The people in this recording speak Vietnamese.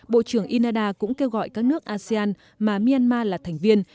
bộ trưởng canada cũng kêu gọi các nước asean mà myanmar là thành viên